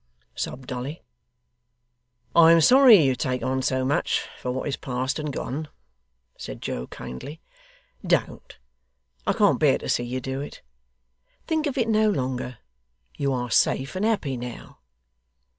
sobbed Dolly. 'I am sorry you take on so much, for what is past and gone,' said Joe kindly. 'Don't. I can't bear to see you do it. Think of it no longer. You are safe and happy now.